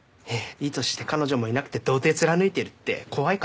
いい年して彼女もいなくて童貞貫いてるって怖いから。